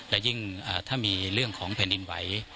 และยิ่งถ้ามีเรื่องของแผ่นดินไหว